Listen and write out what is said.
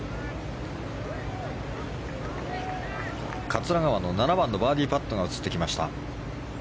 桂川の７番のバーディーパットが映ってきました。